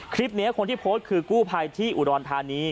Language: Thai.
คลิปนี้คนที่โพสต์คือกู้ภัยที่อุดรธานี